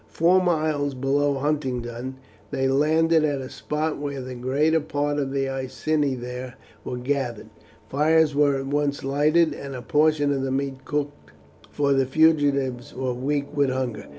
Four miles below Huntingdon they landed at a spot where the greater part of the Iceni there were gathered. Fires were at once lighted, and a portion of the meat cooked, for the fugitives were weak with hunger.